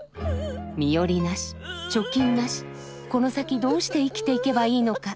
身寄りなし貯金なしこの先どうして生きていけばいいのか？